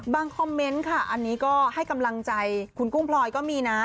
คอมเมนต์ค่ะอันนี้ก็ให้กำลังใจคุณกุ้งพลอยก็มีนะ